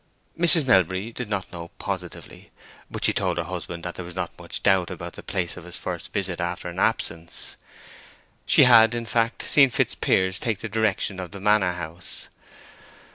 Mrs. Melbury did not know positively; but she told her husband that there was not much doubt about the place of his first visit after an absence. She had, in fact, seen Fitzpiers take the direction of the Manor House.